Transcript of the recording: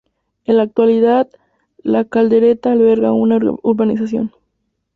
En la actualidad, La Caldereta alberga una urbanización.